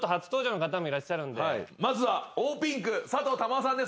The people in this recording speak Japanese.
まずはオーピンクさとう珠緒さんです